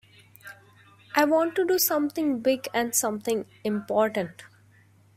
I want to do something big and something important.